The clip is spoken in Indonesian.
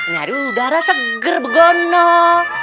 nyari udara seger begonal